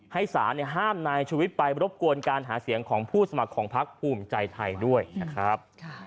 ให้ศาลห้ามนายชุวิตไปรบกวนการหาเสียงของผู้สมัครของพักภูมิใจไทยด้วยนะครับ